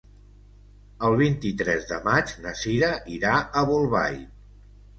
El vint-i-tres de maig na Cira irà a Bolbait.